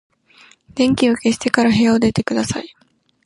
電気を消してから部屋を出てください。